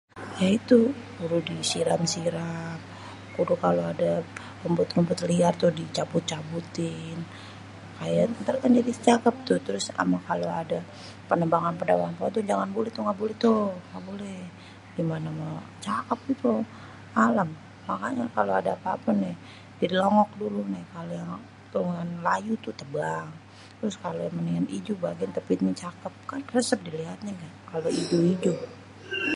Ya itu kudu disiram-siram, kudu kalo ada rumput-rumput liar tu dicabut-cabutin. Kayaknya ntar kan jadi cakep tuh. Terus ama kalo ada penebangan-penebangan pohon tu jangan boleh tuh, gak boleh tu, gak boleh. Gimana mau cakep itu alam. Makanya kalo ada apa-apa nih jadi longok dulu nih kalo yan pohon layu tu tebang. Terus kalo mendingan ijo cakep kan resep diliatnya kalo ijo-ijo.